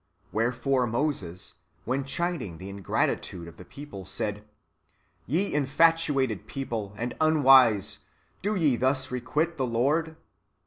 Wherefore Moses, when chiding the ingratitude of the people, said, " Ye infatuated people, and unwise, do ye thus requite the Lord?"